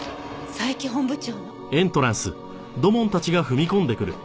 佐伯本部長。